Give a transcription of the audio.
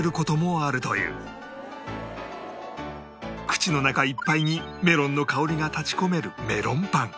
口の中いっぱいにメロンの香りが立ち込めるメロンパン